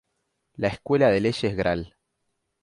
La Escuela de Leyes Gral.